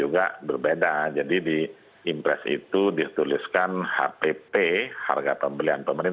sampai sampai sampai keringjin